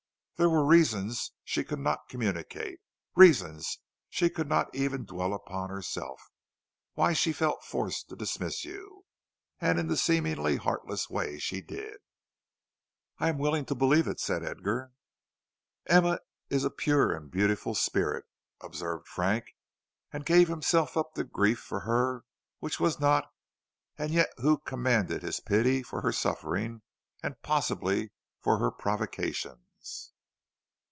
There were reasons she could not communicate, reasons she could not even dwell upon herself, why she felt forced to dismiss you, and in the seemingly heartless way she did." "I am willing to believe it," said Edgar. "Emma is a pure and beautiful spirit," observed Frank, and gave himself up to grief for her who was not, and yet who commanded his pity for her sufferings and possibly for her provocations.